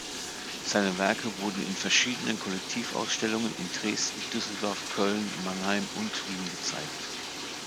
Seine Werke wurden in verschiedenen Kollektivausstellungen in Dresden, Düsseldorf, Köln, Mannheim und Wien gezeigt.